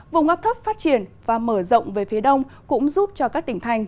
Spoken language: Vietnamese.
vùng ngắp thấp phát triển và mở rộng về phía đông cũng giúp cho các tỉnh thành